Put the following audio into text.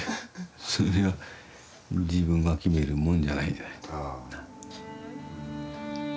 そういうのは自分が決めるもんじゃないんじゃない。